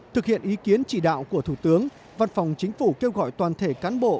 thực hiện ý kiến chỉ đạo của thủ tướng văn phòng chính phủ kêu gọi toàn thể cán bộ